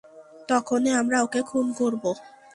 তখনই আমরা ওকে খুন করব।